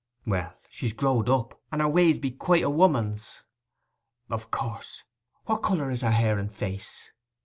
'Well, she's growed up, and her ways be quite a woman's.' 'Of course. What colour is her hair and face?